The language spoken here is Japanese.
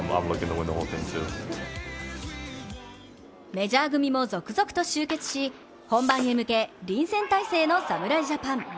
メジャー組も続々と集結し本番へ向け臨戦態勢の侍ジャパン。